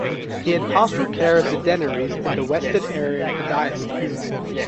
He had pastoral care of the deaneries in the western area of the diocese.